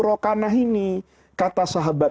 rokanah ini kata sahabat